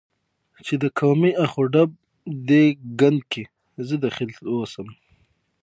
چې د قومي اخ و ډب دې ګند کې زه دخیل اوسم،